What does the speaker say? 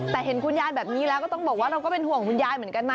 แต่เห็นคุณยายแบบนี้แล้วก็ต้องบอกว่าเราก็เป็นห่วงคุณยายเหมือนกันนะ